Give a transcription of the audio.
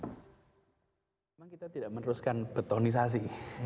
memang kita tidak meneruskan betonisasi